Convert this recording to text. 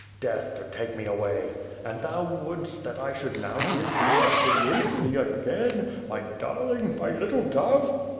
Death, to take me away — and thou would'st that I should now give thee up to lose thee again, my darling my little dove!"